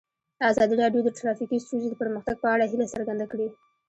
ازادي راډیو د ټرافیکي ستونزې د پرمختګ په اړه هیله څرګنده کړې.